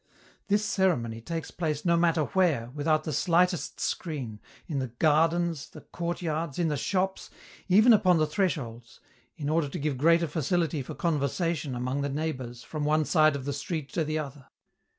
This ceremony takes place no matter where, without the slightest screen, in the gardens, the courtyards, in the shops, even upon the thresholds, in order to give greater facility for conversation among the neighbors from one side of the street to the other.